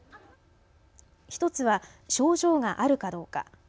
１つは症状があるかどうか。